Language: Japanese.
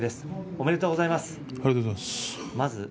おめでとうございます。